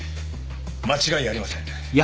間違いありません。